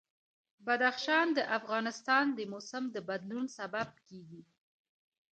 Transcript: بدخشان د افغانستان د موسم د بدلون سبب کېږي.